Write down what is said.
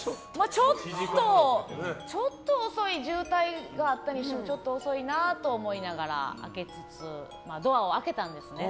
ちょっと遅い渋滞があったにしてもちょっと遅いなと思いながらドアを開けたんですね。